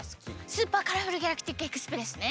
「スーパーカラフルギャラクティックエクスプレス」ね。